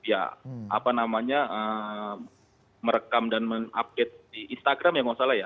ya apa namanya merekam dan mengupdate di instagram ya nggak salah ya